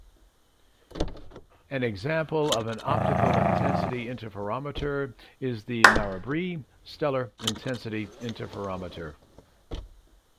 An example of an optical intensity interferometer is the Narrabri Stellar Intensity Interferometer.